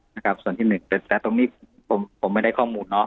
นะครับส่วนที่หนึ่งแต่ตรงนี้ผมไม่ได้ข้อมูลเนาะ